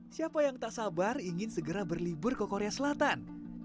siapa yang tak sabar ingin segera berlibur ke korea selatan